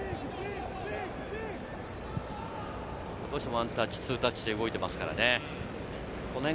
ワンタッチ、ツータッチで動いてますからね。